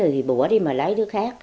thì bố đi mà lấy đứa khác